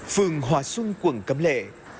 phường hòa xuân quận cẩm lệ